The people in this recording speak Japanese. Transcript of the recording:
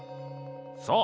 そう。